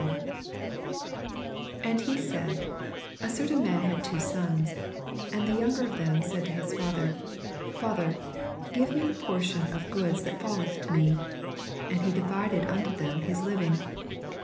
11 And he said, A certain man had two sons : 12 And the younger of them said to hia father, Father, give me the por tion of ffoods that ralleth to me. And he divided unto them his living.